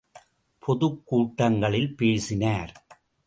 பொதுக் கூட்டங்களில் பேசினார்.